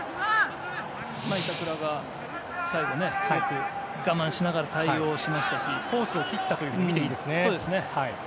板倉が最後、よく我慢しながら対応しましたしコースを切ったとみてそうですね。